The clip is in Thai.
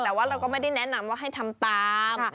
แต่ว่าเราก็ไม่ได้แนะนำว่าให้ทำตาม